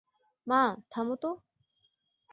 মা, থামো তো।